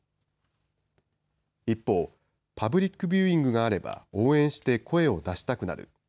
一方、パブリックビューイングがあれば応援して声を出したくなる。